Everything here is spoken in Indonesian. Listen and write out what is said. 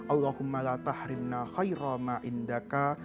allahumma latahrimna khairah ma indaka